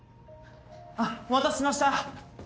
お待たせしました！